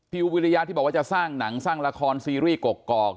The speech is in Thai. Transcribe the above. วิริยาที่บอกว่าจะสร้างหนังสร้างละครซีรีส์กอก